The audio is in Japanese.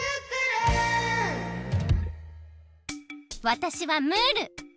わたしはムール！